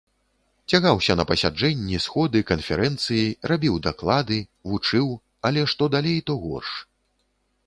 Цягаўся на пасяджэнні, сходы, канферэнцыі, рабіў даклады, вучыў, але што далей, то горш.